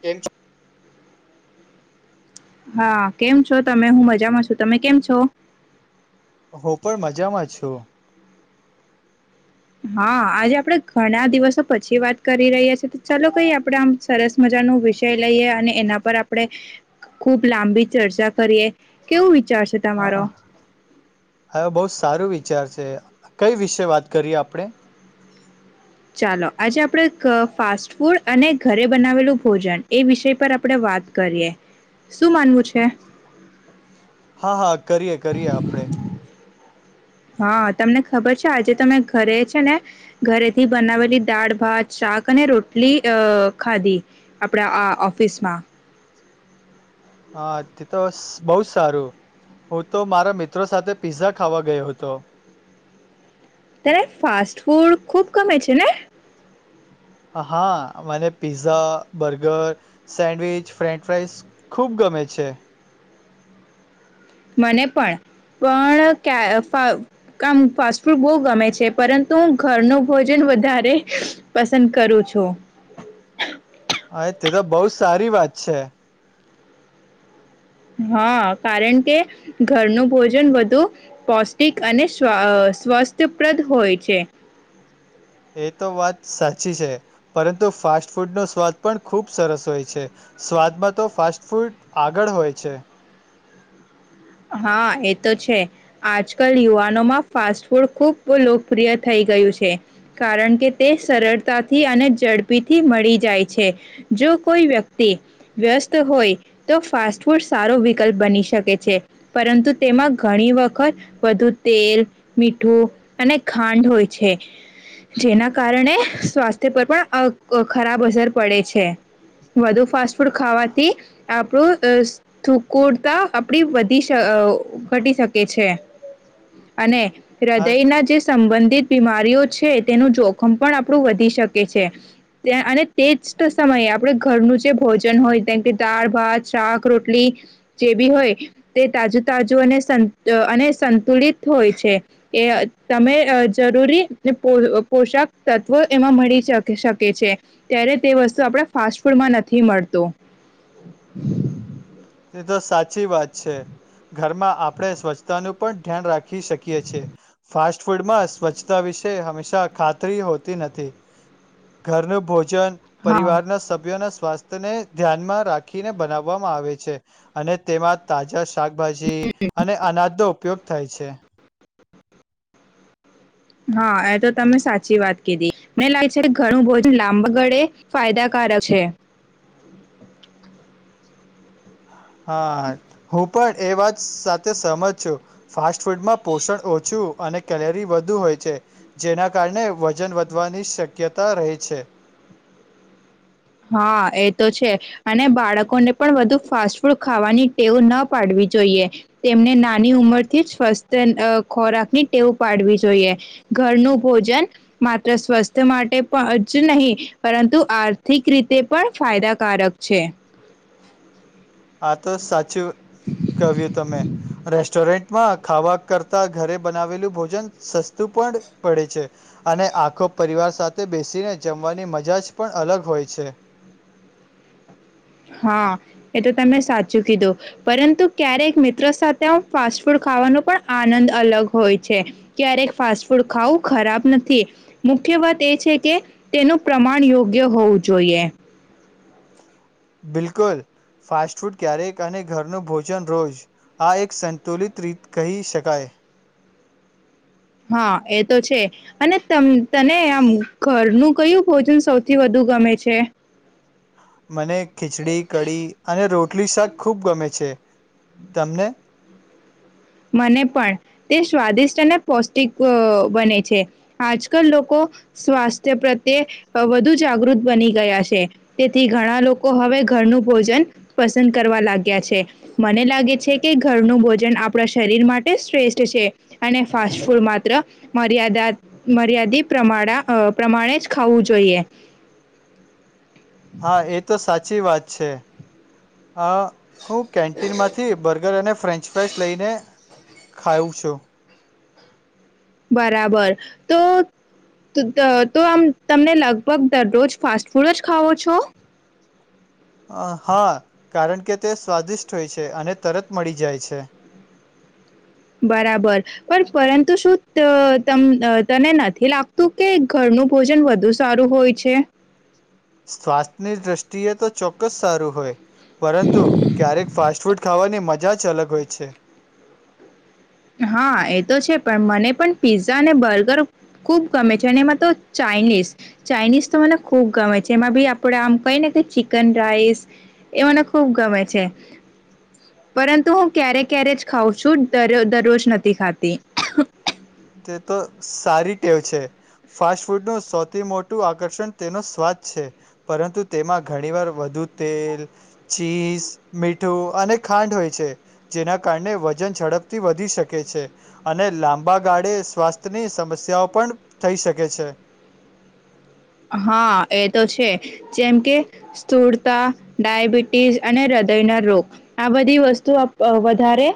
કેમ છે. હા કેમ છો તમે હું મજામાં છું તમે કેમ છો. હું પણ મજામાં છું. હા આજે આપડે ઘણા દિવસો પછી વાત કરી રહ્યા છીએ તો ચાલો કઈ આપડે આમ સરસ મજા ન વિષય લઈએ અને એના પર [unintelligible] ખુબ લાંબી ચર્ચા કરીએ કેવું. વિચાર છે હ તમારો હ બહ સારું વિચાર છે, કઈ વિશે વાત કરીએ આપણે. ચાલો આજે આપણે ફાસ્ટ ફૂડ અને ઘરે બનાવેલું ભોજન એ વિષય પર આપણે વાત કરીએ. હા હા કરીએ કરીએ આપણે. હા તમને ખબર છે, આજે તમે ઘરે છે, ને ઘરેથી બનાવેલી દાળ ભાત શાક અને રોટલી અ ખાધી આપણા આ ઓફિસમાં આ તેતો બઉ સારું હું તો મારા મિત્રો સાથે પીઝા ખાવા ગયો હતો. તને ફાસ્ટ ફૂડ ખૂબ ગમે છે, ને? હા મને pizza burger sandwich french fries ખૂબ ગમે છે. મને પણ પણ [unintelligible] બો ગમે છે, પરંતુ હું ઘરનું ભોજન વધારે પસંદ કરું છું. આએ તે તો બઉ સારી વાત છે. હા કારણ કે ઘરનું ભોજન વધુ પૌષ્ટિક અને [unintelligible] સ્વસ્થપ્રદ હોય છે. એ તો વાત સાચી છે, પરંતુ ફાસ્ટ ફૂડનો સ્વાદ પણ ખૂબ સરસ હોય છે, સ્વાદમાં તો ફાસ્ટ ફૂડ આગળ હોય છે. હા એ તો છે, આજકાલ યુવાનોમાં ફાસ્ટ ફૂડ ખૂબ લોકપ્રિય થઈ ગયું છે, કારણ કે તે સરળતાથી અને ઝડપીથી મળી જાય છે, જો કોઈ વ્યક્તિ વ્યસ્ત હોય પરંતુ તેમાં ઘણી વખત વધુ તેલ મીઠું અને ખાંડ હોય છે, જેના કારણે સ્વાસ્થ્ય પર પણ ખરાબ અસર પડે છે, વધુ ફાસ્ટ ફૂડ ખાવાથી આપણું [unintelligible] આપણી [unintelligible] ઘટી શકે છે. અને હા હૃદયના જે સંબંધિત બીમારીઓ છે, તેનું જોખમ પણ આપણું વધી શકે છે, અને તે જ [unintelligible] સમયે આપડ ઘરનું જે ભોજન હોય કેમ કે દાળ ભાત શાક રોટલી જે ભી હોય તે તાજું-તાજુ અને સન અને સંતુલિત હોય છે. એ તમે જરૂરી પોષાક તત્વો એમાં મળી શકે છે ત્યારે તે વસ્તુ આપણા ફાસ્ટ ફૂડમાં નથી મળતું. એ તો સાચી વાત છે. ઘરમાં આપણે સ્વચ્છતાનું પણ ધ્યાન રાખી ખી શકીએ છે. ફાસ્ટ ફૂડ માં સ્વચ્છતા વિશે હંમેશા ખાતરી હોતી નથી. ઘરનું ભોજ જન હા. પરિવારના સભ્યોના સ્વાસ્થ્યને ધ્યાનમાં રાખીને બનાવવામાં આવે છે. અને તેમાં તાજા શાકભાજી અને અનાજનો ઉપયોગ થાય છે. હા એ તો તમે સાચી વાત કીધી મે [unintelligible] ઘણું ભોજન લાંબ ગળે ફાયદાકારક છે. હા હું પણ એ વાત સાથે સહમત છું ફાસ્ટ ફૂડમાં પોષણ ઓછું અને કેલરી વધુ હોય છે, જેના કારણે વજન વધવાની શક્યતા રહે છે. હા એ તો છે અને બાળકોને પણ વધુ ફાસ્ટ ફૂડ ખાવાની ટેવ ન પાડવી જોઈએ. તેમને નાની ઉંમરથી જ સ્વસ્થ અ ખોરાક ની ટેવ પાડવી જોઈએ. ઘરનું ભોજન માત્ર સ્વસ્થ માટે પણ જ નહીં પરંતુ આર્થિક રીતે પણ ફાયદાકારક છે. આ તો સાચું કવ્યું તમે રેસ્ટોરેન્ટ [unintelligible] ખાવા કરતા ઘરે બનાવેલું ભોજન સસ્તું પણ પડે છે અને આખો પરિવાર સાથે બેસીને જમવાની મજા જ પણ અલગ હોય છે. હા એ તો તમે સાચું કીધું. પરંતુ ક્યારેક મિત્રો સાથે ફાસ્ટ ફૂડ ખાવાનો પણ આનંદ અલગ હોય છે. ક્યારેક ફાસ્ટ ફૂડ ખાવું ખરાબ નથી મુખ્ય વાત એ છે કે તેનું પ્રમાણ યોગ્ય હોવું જોઈએ. બિલકુલ ફાસ્ટફૂડ ક્યારેક અને ઘરનું ભોજન રોજ આ એક સંતુલિત રીત કહી શકાય. હા એ તો છે. અને તને આમ ઘરનું કયું ભોજન સૌથી વધુ ગમે છે? મને ખીચડી કઢી અને રોટલી શાક ખુબ ગમે છે. તમને? મને પણ તે સ્વાદિષ્ટ અને પૌષ્ટિક બને છે. આજકલ લોકો સ્વાસ્થ્ય પ્રત્યે વધુ જાગૃત બની ગયા છે. તેથી ઘણા લોકો હવે ઘરનું ભોજન પસંદ કરવા લાગ્યા છે. મને લાગે છે કે ઘરનું ભોજન આપણા શરીર માટે શ્રેષ્ઠ છે અને ફાસ્ટફૂડ માત્ર મર્યાદા મર્યાદિત પ્રમાડા પ્રમાણે જ ખાવું જોઈએ. હા એ તો સાચ ચી વાત છે. હા હું કેન્ટીનમાંથી બર્ગર અને ફ્રેન્ચ ફ્રાઈસ લઈને ખાઉં છું. બરાબર તો તો તો આમ તમને લગભગ દરરોજ ફાસ્ટ ફૂડ જ ખાવો છો? અ હા કારણ કે તે સ્વાદિષ્ટ હોય છે અને તરત મળી જાય છે. બરાબર પણ પરંતુ શું ત તમ તને નથી લાગતું કે ઘરનું ભોજન વધુ સારું હોય છે? સ્વાસ્થ્યની દ્રષ્ટિએ તો ચોક્કસ સારું હોય. પરંતુ ક્યારેક ફાસ્ટ ફૂડ ખાવાની મજા જ અલગ હોય છે. હા એ તો છે પણ મને પણ પીઝા અને બર્ગર ખુબ ગમે છે. અને એમાં તો ચાાઈનીઝ ચાાઈનીઝ તો મને ખુબ ગમે છે. એમાં ભી આપડે આમ કઈ ને કઈ ચિકન રાઈસ એ મને ખુબ ગમે છે. પરંતુ હું ક્યારે ક્યારે જ ખાઉં છું દરોજ દરોજ નથી ખાતી. તે તો સારી ટેવ છે. ફાસ્ટ ફૂડનું સૌથી મોટું આકર્ષણ તેનો સ્વાદ છે. પરંતુ તેમાં ઘણી વાર વધુ તેલ, ચીઝ, મીઠું અને ખાંડ હોય છે. જેના કારણે વજન ઝડપથી વધી શકે છે, અને લાંબા ગાળે સ્વાસ્થ્યની સમસ્યાઓ પણ થઈ શકે છે. હાં એ તો છે, જેમ કે સ્થૂળતા, ડાયાબિટીસ અને હૃદયના રોગ આ બધી વસ્તુઓ અપ વધારે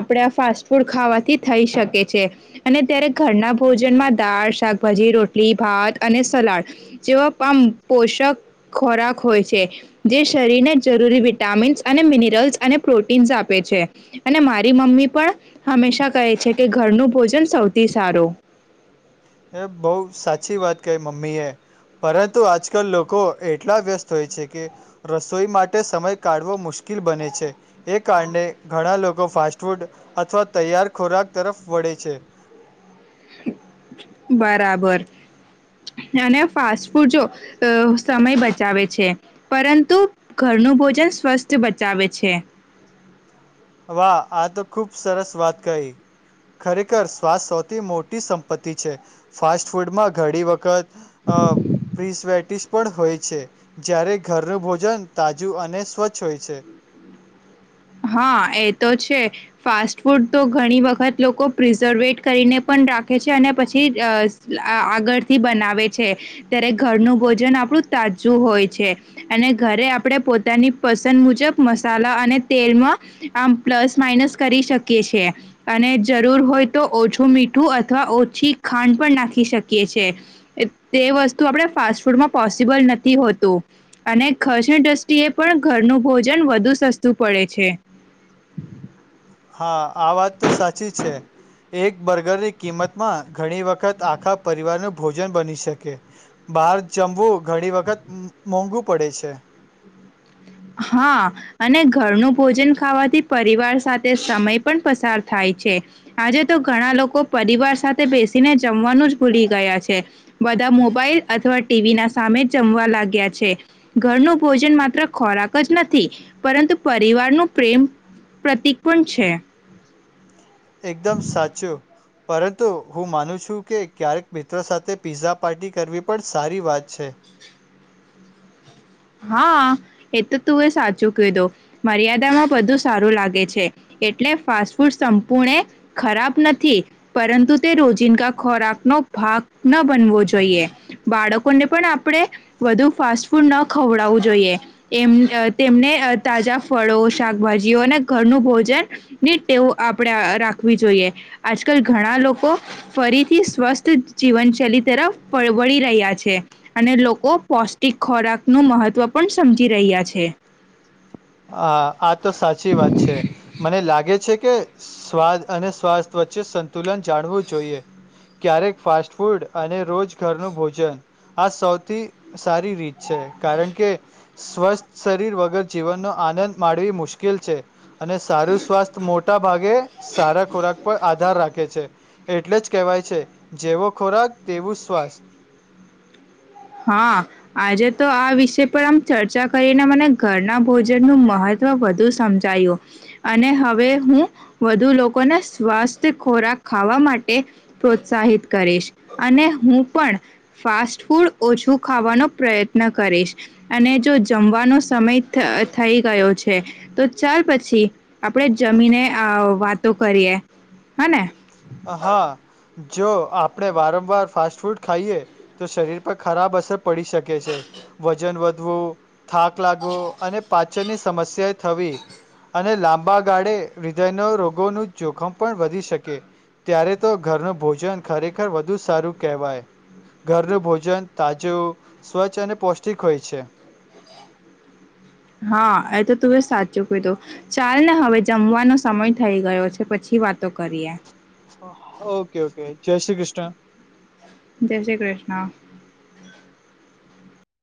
આપડા ફાસ્ટ ફૂડ ખાવાથી થઈ શકે છે અને ત્યારે ઘરના ભોજનમાં દાળ, શાક ભજી, રોટલી, ભાત અને સલાડ. જેવા પામ પોષક ખોરાક હોય છે, જે શરીરને જરૂરી વિટામીન્સ અને મિનરલ્સ અને પ્રોટીન્સ આપે છે અને મારી મમ્મી પણ હંમેશા કહે છે કે ઘરનું ભોજન સૌથી સારું. એ બઉ સાચી વાત કહે મમ્મીએ, પરંતુ આજકલ લોકો એટલા વ્યસ્ત હોય છે કે રસોઈ માટે સમય કાઢવો મુશ્કિલ બને છે, એ કારણે ઘણા લોકો ફાસ્ટફૂડ અથવા તૈયાર ખોરાક તરફ વળે છે. બરાબર અને ફાસ્ટ ફૂડ જો સમય બચાવે છે, પરંતુ ઘરનું ભોજન સ્વસ્થ બચાવે છે. વાહ! આ તો ખૂબ સરસ વાત કહી, ખરેખર સ્વાસ્થ સૌથી મોટી સંપત્તિ છે, ફાસ્ટ ફૂડમાં ઘડી વખત અ પ્રિસ્વેટીસ પણ હોય છે, જ્યારે ઘરનું ભોજન તાજું અને સ્વચ્છ હોય છે. હા, એ તો છે, ફાસ્ટ ફૂડ તો ઘણી વખત લોકો પ્રિઝર્વેટ કરીને પન રાખે છે અને પછી અ સ આગળથી બનાવે છે ત્યારે ઘરનું ભોજન આપણું તાજું હોય છે અને ઘરે આપણે પોતાની પસંદ મુજબ મસાલા અને તેલમાં આમ પ્લસ માઇનસ કરી શકીએ છીએ અને જરૂર હોય તો ઓછું મીઠું અથવા ઓછી ખાંડ પણ નાખી શકીએ છે, તે વસ્તુ આપણે ફાસ્ટ ફૂડમાં પોસિબલ નથી હોતું અને ખર્ચની દ્રષ્ટિએ પણ ઘરનું ભોજન વધુ સસ્તું પડે છે. હા આ વાત તો સાચી છે, એક બર્ગરની કિંમતમાં ઘણી વખત આખા પરિવારનું ભોજન બની શકે, બહાર જમવું ઘણી વખત મોંઘું પડે છે. હાં અને ઘરનું ભોજન ખાવાથી પરિવાર સાથે સમય પણ પસાર થાય છે, આજે તો ઘણા લોકો પરિવાર સાથે બેસીને જમવાનું જ ભૂલી ગયા છે, બધા મોબાઈલ અથવા ટી વી ના સામે જમવા લાગ્યા છે, ઘરનું ભોજન માત્ર ખોરાક જ નથી પરંતુ પરિવારનો પ્રેમ, પ્રતિક પણ છે. એકદમ સાચું. પરંતુ હું માનું છું કે ક્યારેક મિત્રો સાથે પિઝા પાર્ટી કરવી પણ સારી વાત છે. હા એ તો તું એ સાચું કીધું, મર્યાદામાં બધું સારું લાગે છે, એટલે ફાસ્ટ ફૂડ સંપૂર્ણે ખરાબ નથી પરંતુ તે રોજિંદગા ખોરાકનો ભાગ ન બનવો જોઈએ, બાળકોને પણ આપણે વધુ ફાસ્ટ ફૂડ ન ખવડાવું જોઈએ, એમ તેમને તાજા ફળો, શાકભાજીઓ અને ઘરનું ભોજન ની ટેવ આપણે રાખવી જોઈએ, આજકાલ ઘણા લોકો ફરીથી સ્વસ્થ જીવનશૈલી તરફ વળી રહ્યા છે, અને લોકો પૌષ્ટિક ખોરાક નું મહત્ત્વ પણ સમજી રહ્યા છે. હા આ તો સાચી વાત છે, મને લાગે છે કે સ્વાદ અને સ્વાસ્થ વચ્ચે સંતુલન જાણવું જોઈએ, ક્યારેક ફાસ્ટ ફૂડ અને રોજ ઘરનું ભોજન, આ સૌથી સારી રીત છે કારણ કે, સ્વસ્થ શરીર વગર જીવનનો આનંદ માણવી મુશ્કેલ છે. અને સારું સ્વાસ્થ મોટા ભાગે સારા ખોરાક પર આધાર રાખે છે, એટલે જ કહેવાય છે જેવો ખોરાક તેવું સ્વાસ્થ. હા આજે તો આ વિષય પર આમ ચર્ચા કરીને મને ઘરના ભોજનનું મહત્વ વધુ સમજાયું, અને હવે હું વધુ લોકોને સ્વસ્થ ખોરાક ખાવા માટે પ્રોત્સાહિત કરીશ, અને હું પણ ફાસ્ટ ફૂડ ઓછું ખાવાનો પ્રયત્ન કરીશ, અને જો જમવાનો સમય થ થઈ ગયો છે, તો ચલ પછી આપણેે જમીને અ વાતો કરીએ હને. અ હા. જો આપણે વારંવાર ફાસ્ટ ફૂડ ખાઈએ તો શરીર પર ખરાબ અસર પડી શકે છે, વજન વધવું. થાક લાગવો, અને પા છની સમસ્યા થવી અને લાંબા ગાળે હૃદયનો રોગોનું જોખમ પણ વધી શકે. ત્યારે તો ઘરનું ભોજન ખરેખર વધુ સારું કહેવાય, ઘરનું ભોજન તાજું સ્વચ્છ અને પૌષ્ટિક હોય છે. હા એ તો તું એ સાચું કીધું, ચાલ ને હવે જમવાનો સમય થઈ ગયો છે પછી વાતો કરીએ. ઓકે ઓકે જય શ્રી કૃષ્ણ. [unintelligible] જય શ્રી કૃષ્ણ.